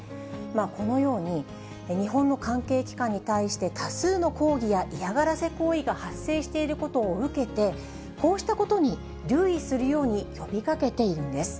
このように、日本の関係機関に対して多数の抗議や嫌がらせ行為が発生していることを受けて、こうしたことに留意するように呼びかけているんです。